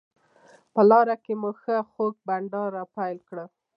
په لاره کې مو ښه خوږ بانډار راپیل کړ.